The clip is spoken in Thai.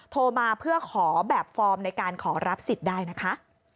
โทรมาเพื่อขอแบบฟอร์มในการขอรับสิทธิ์ได้นะคะ